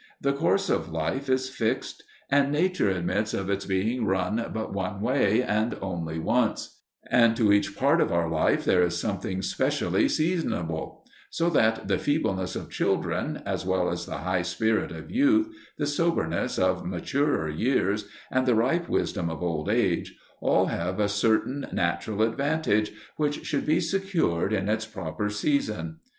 The course of life is fixed, and nature admits of its being run but in one way, and only once; and to each part of our life there is something specially seasonable; so that the feebleness of children, as well as the high spirit of youth, the soberness of maturer years, and the ripe wisdom of old age all have a certain natural advantage which should be secured in its proper season.